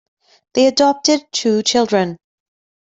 They adopted two children.